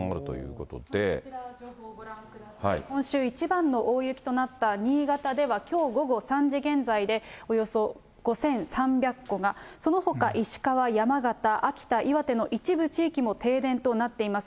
こちら情報をご覧ください、今週一番の大雪となった新潟では、きょう午後３時現在でおよそ５３００戸が、そのほか石川、山形、秋田、岩手の一部地域も停電となっています。